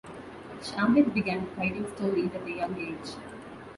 Shamir began writing stories at a young age.